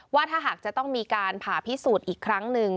ว่าถ้าหากจะต้องมีการผ่าพิสูจน์อีกครั้งหนึ่ง